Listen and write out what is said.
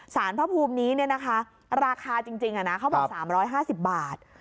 สารพระภูมินี้เนี่ยนะคะราคาจริงจริงอะนะเขาบอก๓๕๐บาท